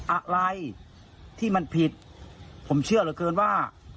อะไรที่มันผิดผมเชื่อเหลือเกินว่า